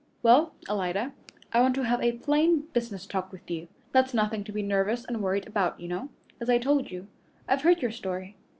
"Well, Alida, I want to have a plain business talk with you. That's nothing to be nervous and worried about, you know. As I told you, I've heard your story.